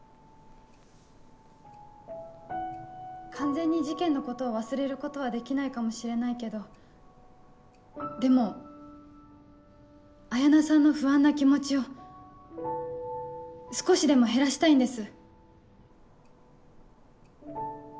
完全に事件のことを忘れることはできないかもしれないけどでも彩菜さんの不安な気持ちを少しでも減らしたいんです。